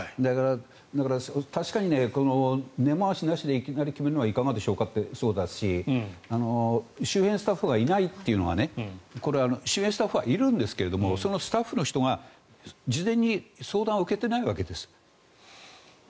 だから確かに根回しなしでいきなり決めるのはいかがでしょうかというのもそうだし周辺スタッフがいないというのはこれは周辺スタッフはいるんですがそのスタッフが事前に相談を受けていないわけです。